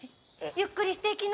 ゆっくりしていきな。